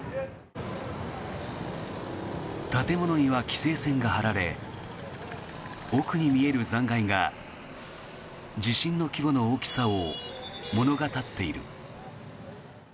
建物には規制線が張られ奥に見える残骸が地震の規模の大きさを物語っている。